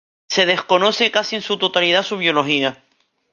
Se desconoce casi en su totalidad su biología.